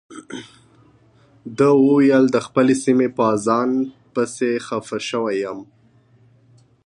ده وویل د خپلې سیمې په اذان پسې خپه شوی یم.